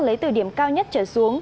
lấy từ điểm cao nhất trở xuống